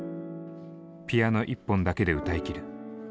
ピアノ１本だけで歌いきる。